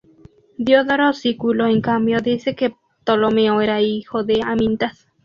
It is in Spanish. Diodoro Sículo en cambio, dice que Ptolomeo era hijo de Amintas.